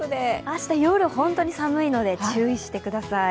明日、夜、本当に寒いので注意してください。